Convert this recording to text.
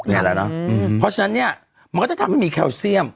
นี่แหละนะเพราะฉะนั้นเนี่ยมันก็จะทำให้มีแคลเซียม